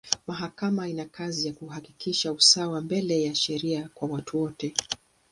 Mahakama ina kazi ya kuhakikisha usawa mbele ya sheria kwa watu wote.